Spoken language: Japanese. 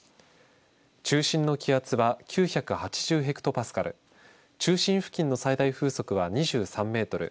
中心の気圧は９８０ヘクトパスカル中心付近の最大風速は２３メートル